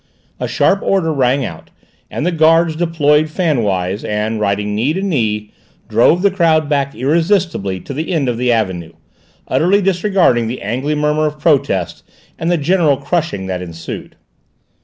A sharp order rang out, and the guards deployed fan wise and, riding knee to knee, drove the crowd back irresistibly to the end of the avenue, utterly disregarding the angry murmur of protest, and the general crushing that ensued.